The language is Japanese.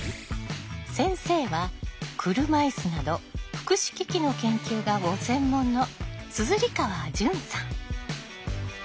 先生は車いすなど福祉機器の研究がご専門の硯川潤さん。